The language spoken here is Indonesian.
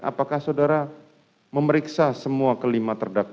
apakah saudara memeriksa semua kelima terdakwa